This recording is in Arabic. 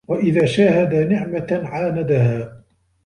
وَإِذَا شَاهَدَ نِعْمَةً عَانَدَهَا